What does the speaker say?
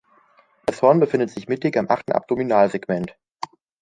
Das Horn befindet sich mittig am achten Abdominalsegment.